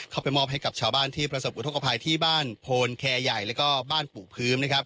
เข้าไปมอบให้กับชาวบ้านที่ประสบอุทธกภัยที่บ้านพลแคใหญ่แล้วก็บ้านปู่พื้ม